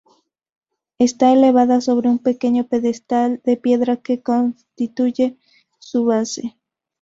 Está elevada sobre un pequeño pedestal de piedra que constituye su base.